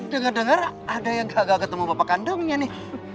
dengar dengar ada yang gak ketemu bapak kandangnya nih